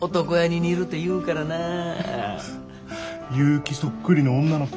結城そっくりの女の子。